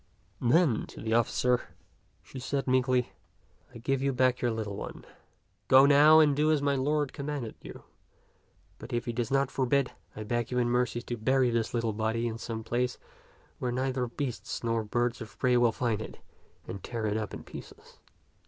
Then to the officer she said meekly, " I give you back your little one. Go now and do as my lord commanded you ; but if he does not forbid, I beg you in mercy to bury this little body in some place where neither beasts nor birds of prey will find it and tear it in pieces."